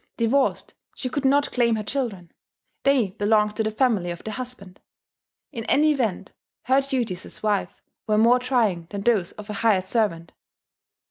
Divorced, she could not claim her children: they belonged to the family of the husband. In any event her duties as wife were more trying than those of a hired servant.